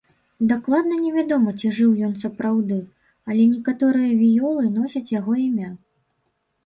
Дакладна не вядома ці жыў ён сапраўды, але некаторыя віёлы носяць яго імя.